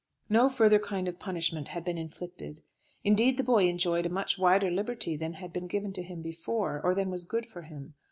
No further kind of punishment had been inflicted. Indeed, the boy enjoyed a much wider liberty than had been given to him before, or than was good for him.